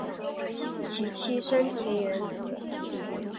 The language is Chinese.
其妻笙田弘子。